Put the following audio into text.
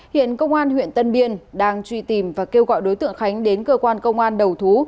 hiện công an huyện tân biên đang truy tìm và kêu gọi đối tượng khánh đến cơ quan công an đầu thú